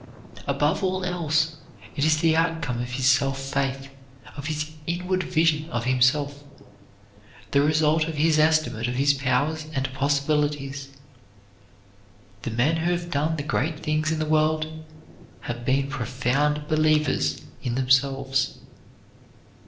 Above all else, it is the outcome of his self faith, of his inward vision of himself; the result of his estimate of his powers and possibilities. The men who have done the great things in the world have been profound believers in themselves.